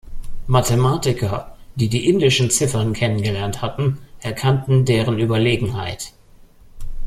Mathematiker, die die indischen Ziffern kennengelernt hatten, erkannten deren Überlegenheit.